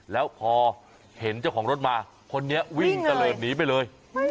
แล้วพอเห็นเจ้าของรถมาคนนี้วิ่งตะเลิศหนีไปเลย